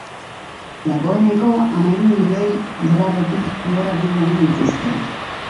Dagoeneko hamahiru milioi dolarretik gora bildu omen dituzte.